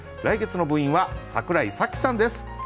来月の部員は櫻井紗季さんです。